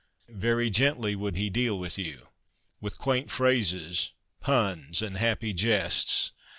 Very gently would he deal with you, with quaint phrases, puns, and happy jests.